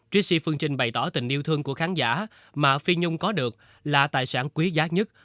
tracy phương trình bày tỏ tình yêu thương của khán giả mà phi nhung có được là tài sản quý giá nhất